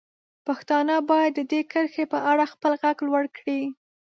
پښتانه باید د دې کرښې په اړه خپل غږ لوړ کړي.